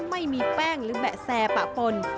ไม่มีแป้งหรือแบะแซปะปน